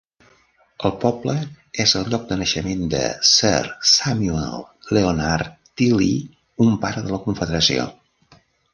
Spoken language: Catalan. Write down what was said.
El poble és el lloc de naixement de Sir Samuel Leonard Tilley, un pare de la Confederació.